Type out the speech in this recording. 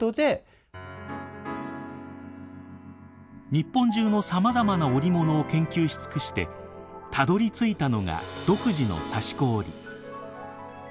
日本中のさまざまな織物を研究し尽くしてたどりついたのが独自の刺し子織。